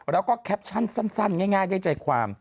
แล้วก็แคปชั่นสั้นง่ายด้วยใจความ